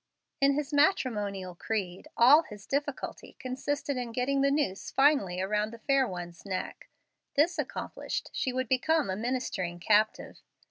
In his matrimonial creed all his difficulty consisted in getting the noose finally around the fair one's neck: this accomplished, she would become a ministering captive.